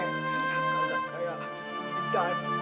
kayak kayak dan